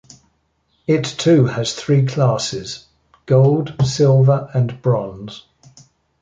It too has three classes, Gold, Silver and Bronze.